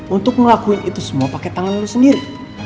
untuk ngelakuin itu semua pake tangan lo sendiri